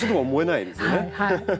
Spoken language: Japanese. はい。